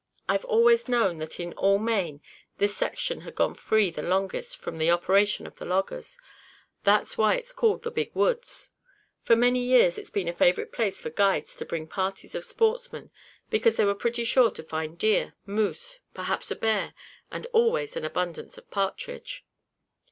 "I've always known that in all Maine this section had gone free the longest from the operation of the loggers. That's why it's called the Big Woods. For many years it's been a favorite place for guides to bring parties of sportsmen, because they were pretty sure to find deer, moose, perhaps a bear, and always an abundance of partridge."